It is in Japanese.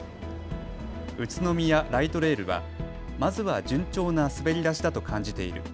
宇都宮ライトレールはまずは順調な滑り出しだと感じている。